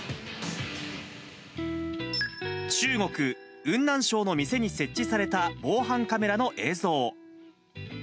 中国・雲南省の店に設置された防犯カメラの映像。